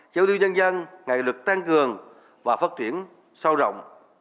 châu tiêu nhân dân ngày lực tăng cường và phát triển sâu rộng